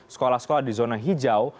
sekolah sekolah di zona hijau